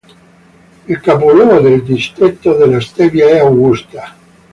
Il capoluogo del Distretto della Svevia è Augusta.